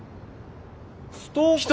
ストーカ。